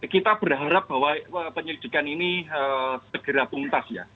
kita berharap bahwa penyidikan ini segera puntas ya